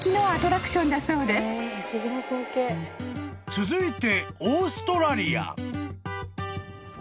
［続いて］